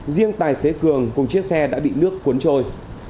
riêng tài xế cường cùng chiếc xe đã bị nước cuốn trôi